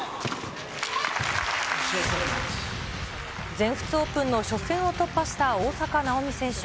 全仏オープンの初戦を突破した大坂なおみ選手。